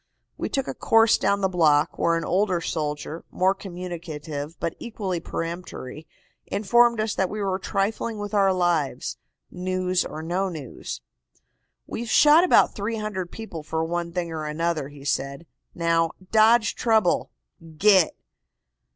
"We took a course down the block, where an older soldier, more communicative but equally peremptory, informed us that we were trifling with our lives, news or no news. "'We've shot about 300 people for one thing or another,' he said. 'Now, dodge trouble. Git!